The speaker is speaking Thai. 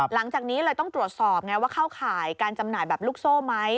หลังจากนี้เลยต้องตรวจสอบไงว่าเข้าข่ายการจำหน่ายแบบลูกโซ่ไหม